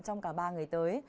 trong cả ba ngày tới